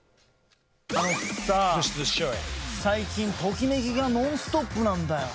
あのさ、最近ときめきがノンストップなんだよ。